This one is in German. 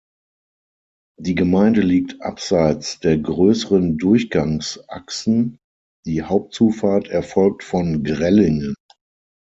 Die Gemeinde liegt abseits der grösseren Durchgangsachsen, die Hauptzufahrt erfolgt von Grellingen.